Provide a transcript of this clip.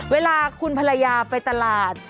เวลาคุณภรรยาไปตลาด